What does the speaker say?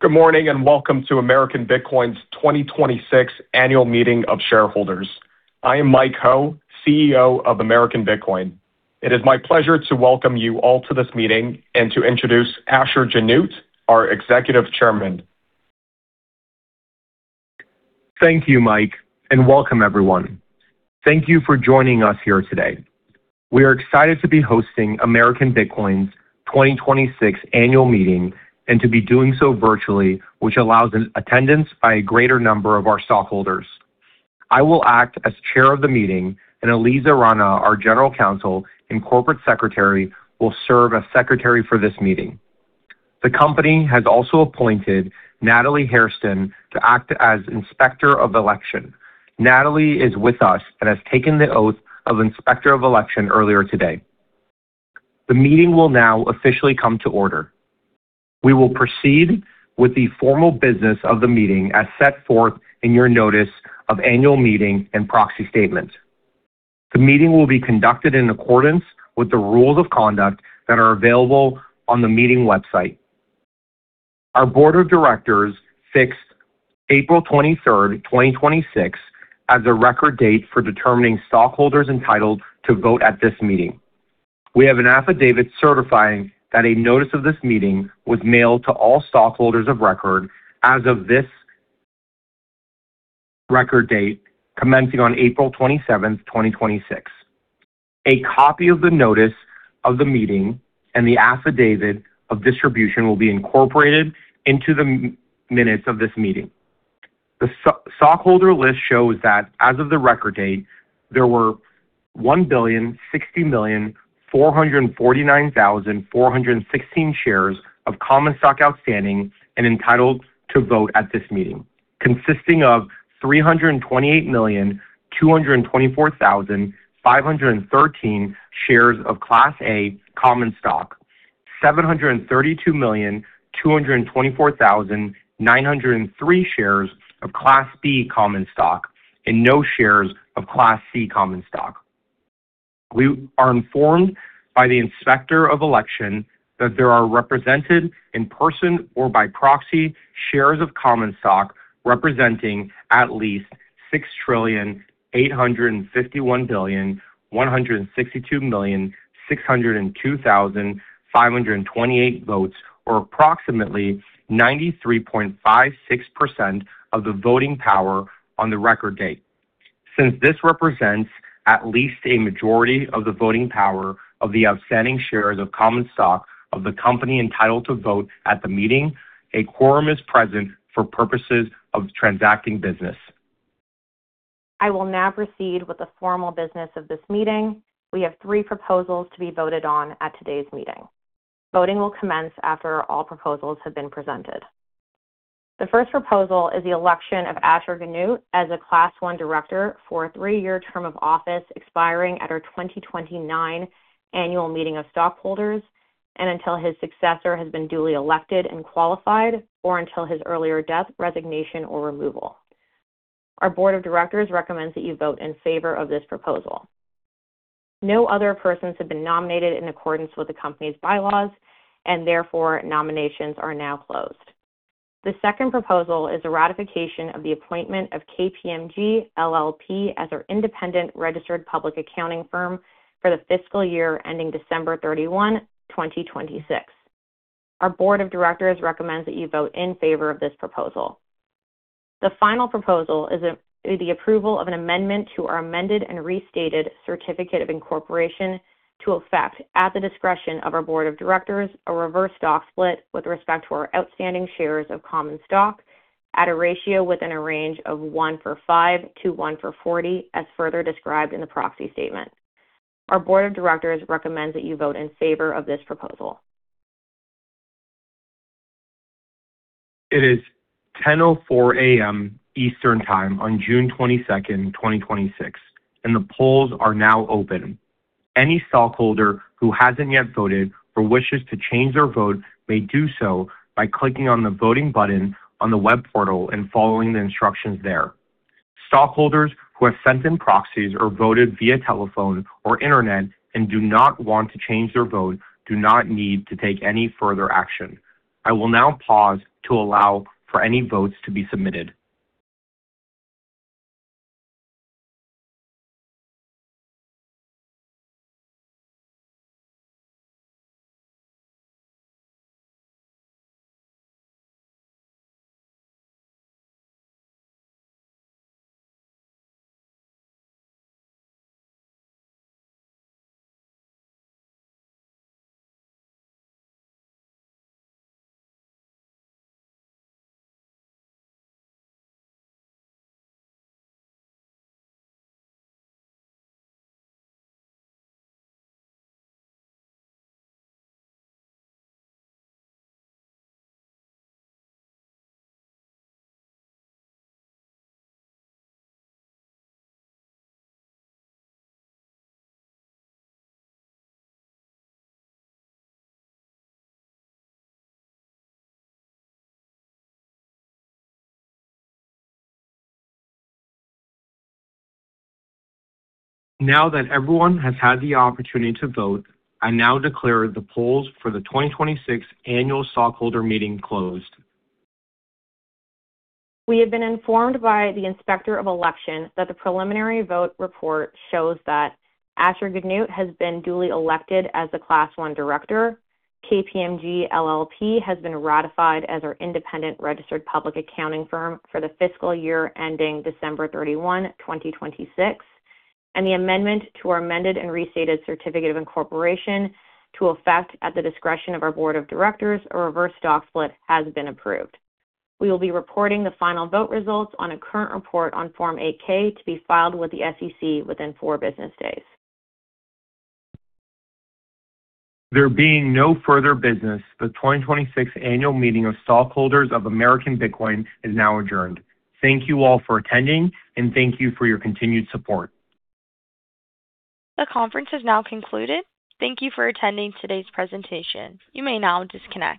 Good morning, welcome to American Bitcoin's 2026 annual meeting of shareholders. I am Mike Ho, CEO of American Bitcoin. It is my pleasure to welcome you all to this meeting and to introduce Asher Genoot, our Executive Chairman. Thank you, Mike, and welcome everyone. Thank you for joining us here today. We are excited to be hosting American Bitcoin's 2026 Annual Meeting and to be doing so virtually, which allows an attendance by a greater number of our stockholders. I will act as chair of the meeting, and Aliza Rana, our general counsel and corporate secretary, will serve as secretary for this meeting. The company has also appointed Natalie Hairston to act as Inspector of Election. Natalie is with us and has taken the oath of Inspector of Election earlier today. The meeting will now officially come to order. We will proceed with the formal business of the meeting as set forth in your notice of annual meeting and proxy statement. The meeting will be conducted in accordance with the rules of conduct that are available on the meeting website. Our board of directors fixed April 23rd, 2026, as the record date for determining stockholders entitled to vote at this meeting. We have an affidavit certifying that a notice of this meeting was mailed to all stockholders of record as of this record date commencing on April 27th 2026. A copy of the notice of the meeting and the affidavit of distribution will be incorporated into the minutes of this meeting. The stockholder list shows that as of the record date, there were 1,060,449,416 shares of common stock outstanding and entitled to vote at this meeting, consisting of 328,224,513 shares of Class A common stock, 732,224,903 shares of Class B common stock, and no shares of Class C common stock. We are informed by the Inspector of Election that there are represented in person or by proxy shares of common stock representing at least 6,851,162,602,528 votes or approximately 93.56% of the voting power on the record date. Since this represents at least a majority of the voting power of the outstanding shares of common stock of the company entitled to vote at the meeting, a quorum is present for purposes of transacting business. I will now proceed with the formal business of this meeting. We have three proposals to be voted on at today's meeting. Voting will commence after all proposals have been presented. The first proposal is the election of Asher Genoot as a Class I director for a three-year term of office expiring at our 2029 annual meeting of stockholders and until his successor has been duly elected and qualified, or until his earlier death, resignation, or removal. Our board of directors recommends that you vote in favor of this proposal. No other persons have been nominated in accordance with the company's bylaws. Therefore, nominations are now closed. The second proposal is a ratification of the appointment of KPMG LLP as our independent registered public accounting firm for the fiscal year ending December 31, 2026. Our board of directors recommends that you vote in favor of this proposal. The final proposal is the approval of an amendment to our amended and restated certificate of incorporation to effect, at the discretion of our board of directors, a reverse stock split with respect to our outstanding shares of common stock at a ratio within a range of 1/5 to 1 /40 as further described in the proxy statement. Our board of directors recommends that you vote in favor of this proposal. It is 10:04 A.M. Eastern Time on June 22nd, 2026. The polls are now open. Any stockholder who hasn't yet voted or wishes to change their vote may do so by clicking on the voting button on the web portal and following the instructions there. Stockholders who have sent in proxies or voted via telephone or internet and do not want to change their vote do not need to take any further action. I will now pause to allow for any votes to be submitted. Now that everyone has had the opportunity to vote, I now declare the polls for the 2026 Annual Stockholder Meeting closed. We have been informed by the Inspector of Election that the preliminary vote report shows that Asher Genoot has been duly elected as the Class I director, KPMG LLP has been ratified as our independent registered public accounting firm for the fiscal year ending December 31, 2026, and the amendment to our amended and restated certificate of incorporation to effect, at the discretion of our board of directors, a reverse stock split has been approved. We will be reporting the final vote results on a current report on Form 8-K to be filed with the SEC within four business days. There being no further business, the 2026 Annual Meeting of Stockholders of American Bitcoin is now adjourned. Thank you all for attending, and thank you for your continued support. The conference has now concluded. Thank you for attending today's presentation. You may now disconnect.